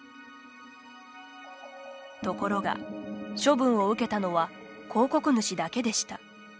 ところが、処分を受けたのは広告主だけでした。